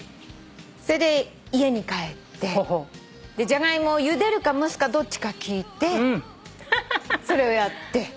それで家に帰ってジャガイモゆでるか蒸すかどっちか聞いてそれをやって。